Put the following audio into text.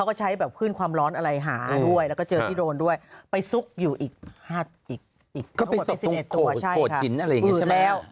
ก็ไปซุกตรงโกดชินอะไรอย่างนี้ใช่ไหมใช่ค่ะอืดแล้ว